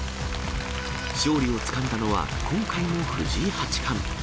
勝利をつかんだのは今回も藤井八冠。